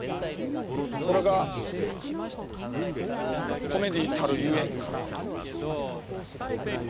それがコメディーたるゆえんかなと。